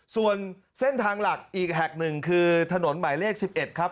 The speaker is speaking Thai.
ส่วนเส้นทางหลักอีกแห่งหนึ่งคือถนนหมายเลข๑๑ครับ